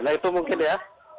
nah itu mungkin ya